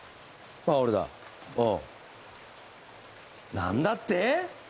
何だって！？